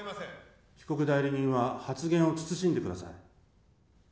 被告代理人は発言を慎んでください。